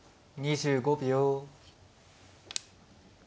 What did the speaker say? ２５秒。